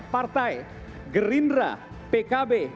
partai gerindra pkb